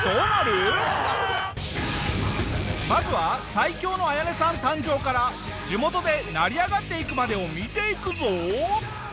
まずは最強のアヤネさん誕生から地元で成り上がっていくまでを見ていくぞ。